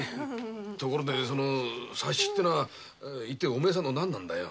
ところでその佐七ってのはお前さんの何なんだよ。